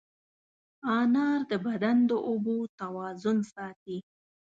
انار د بدن د اوبو توازن ساتي.